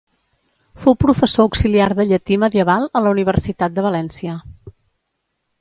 Fou professor auxiliar de llatí medieval a la Universitat de València.